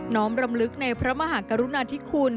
้อมรำลึกในพระมหากรุณาธิคุณ